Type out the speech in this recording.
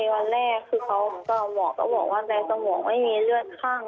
วันแรกคือเขาก็หมอก็บอกว่าในสมองไม่มีเลือดข้าง